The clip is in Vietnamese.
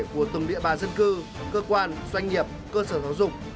của từng địa bà dân cư cơ quan doanh nghiệp cơ sở giáo dục